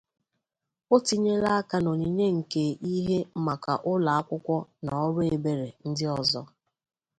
O tinyela aka na onyinye nke ihe maka ụlọ akwụkwọ na ọrụ ebere ndị ọzọ.